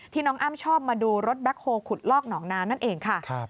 น้องอ้ำชอบมาดูรถแบ็คโฮลขุดลอกหนองน้ำนั่นเองค่ะ